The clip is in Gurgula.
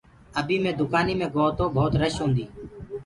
ابيٚ مي دُڪآنيٚ مي گوو تو ڀوت رش تيٚ